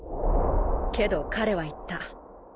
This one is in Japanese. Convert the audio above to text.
けど彼は言った。